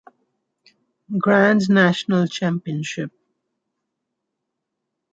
Grand National Championship.